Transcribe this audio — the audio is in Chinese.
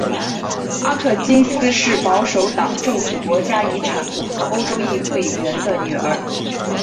阿特金斯是前保守党政府国家遗产部和欧洲议会议员的女儿。